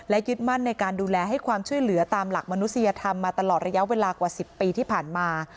ยึดมั่นในการดูแลให้ความช่วยเหลือตามหลักมนุษยธรรมมาตลอดระยะเวลากว่า๑๐ปีที่ผ่านมา